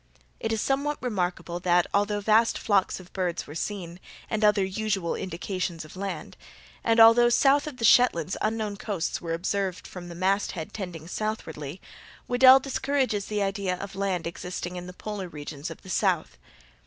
It is somewhat remarkable that, although vast flocks of birds were seen, and other usual indications of land, and although, south of the Shetlands, unknown coasts were observed from the masthead tending southwardly, Weddell discourages the idea of land existing in the polar regions of the south.